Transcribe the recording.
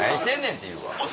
って言うわ。